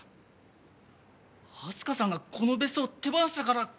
明日香さんがこの別荘を手放したからこんな事に！